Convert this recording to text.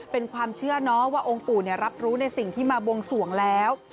เป็นความเชื่อเนาะว่าองค์ปู่รับรู้ในสิ่งที่มาบวงสวงแล้ว